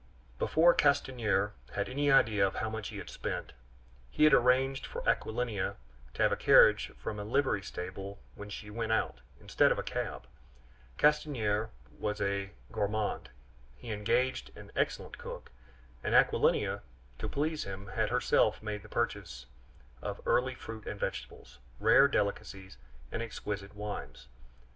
Before Castanier had any idea of how much he had spent, he had arranged for Aquilina to have a carriage from a livery stable when she went out, instead of a cab. Castanier was a gourmand; he engaged an excellent cook; and Aquilina, to please him, had herself made the purchases of early fruit and vegetables, rare delicacies, and exquisite wines.